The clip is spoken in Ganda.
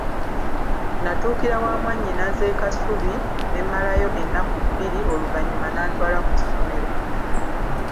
Natuukira wa mwannyinaze e Kasubi ne mmalayo ennaku bbiri oluvannyuma n’antwala ku ssomero.